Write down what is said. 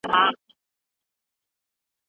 خو د خاورې او ولس چیغې